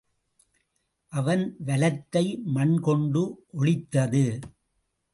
அவன் வலத்தை மண் கொண்டு ஒளித்தது.